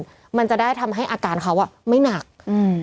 เพื่อไม่ให้เชื้อมันกระจายหรือว่าขยายตัวเพิ่มมากขึ้น